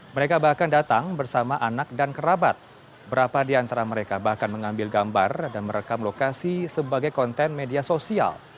mereka bahkan datang bersama anak dan kerabat berapa di antara mereka bahkan mengambil gambar dan merekam lokasi sebagai konten media sosial